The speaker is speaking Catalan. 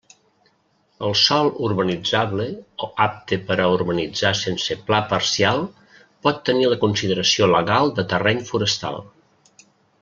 El sòl urbanitzable o apte per a urbanitzar sense pla parcial pot tenir la consideració legal de terreny forestal.